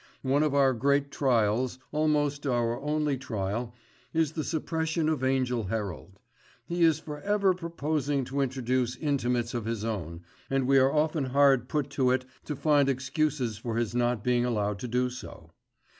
One of our great trials, almost our only trial, is the suppression of Angell Herald. He is for ever proposing to introduce intimates of his own, and we are often hard put to it to find excuses for his not being allowed to do so.